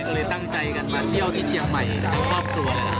ก็เลยตั้งใจกันมาเที่ยวที่เชียงใหม่กันทั้งครอบครัว